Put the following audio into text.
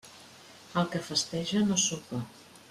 El que festeja no sopa.